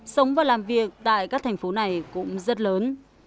sống và làm việc tại các thành phố này cũng rất lớn